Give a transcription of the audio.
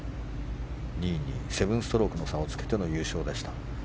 ２位に７ストロークの差をつけての優勝でした。